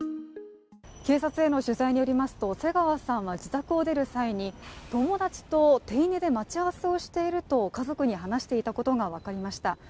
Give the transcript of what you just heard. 警察への取材によりますと瀬川さんは自宅を出る際に友達と手稲で待ち合わせをしていると家族に話していたことが分かりました。